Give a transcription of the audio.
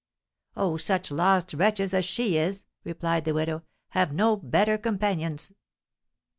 "Oh, such lost wretches as she is," replied the widow, "have no better companions!"